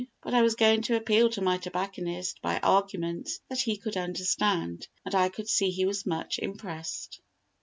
But I was going to appeal to my tobacconist by arguments that he could understand, and I could see he was much impressed.